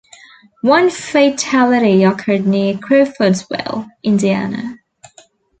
One fatality occurred near Crawfordsville, Indiana.